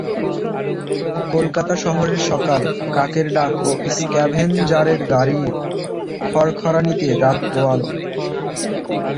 কলকাতা শহরের সকাল, কাকের ডাক ও স্ক্যাভেঞ্জারের গাড়ির খড়খড়ানিতে রাত পোয়ালো।